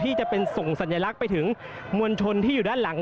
ที่จะเป็นส่งสัญลักษณ์ไปถึงมวลชนที่อยู่ด้านหลัง